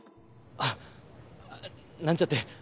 あっなんちゃって。